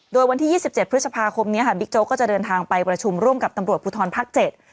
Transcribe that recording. โดยวันที่ยี่สิบเจ็ดพฤษภาคมนี้ค่ะบิ๊กโจ๊กก็จะเดินทางไปประชุมร่วมกับตำรวจภูทรภาคเจ็ด